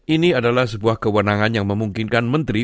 ini adalah sebuah kewenangan yang memungkinkan menteri